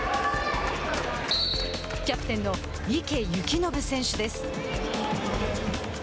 キャプテンの池透暢選手です。